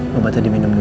mama tadi minum dulu